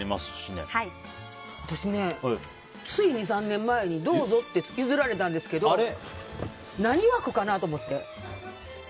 私ね、つい２３年前にどうぞって譲られたんですけど何枠かな？と思って。